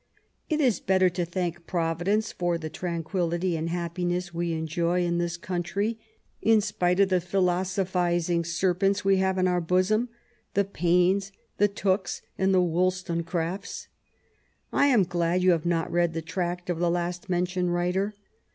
It is better to thank Providence for the tranquillity and happiness we enjoy in this country, in spite of the philosophizing serpents we have in our bosom, the Paines, the Tookes, and the Wollstonecrafts. I am glad you have not read the tract of the last mentioned writer.